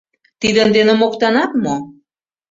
Тидын дене моктанат мо?..